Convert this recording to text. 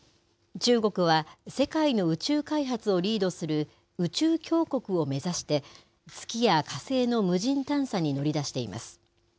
中国は、世界の宇宙開発をリードする宇宙強国を目指して、月や火星の無人探査に乗り出しています。